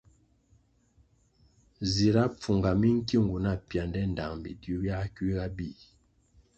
Zira pfunga minkiungu na piande ndtang bidiuh biah kuiga bíh.